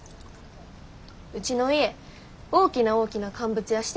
ウチの家大きな大きな乾物屋してんねん。